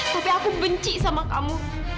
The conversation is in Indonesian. tapi aku benci sama kamu